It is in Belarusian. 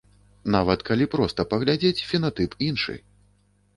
Нават калі проста паглядзець, фенатып іншы.